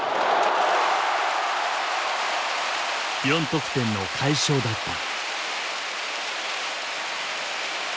４得点の快勝だった。